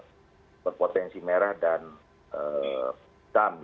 jadi kita sudah mencari potensi merah dan hitam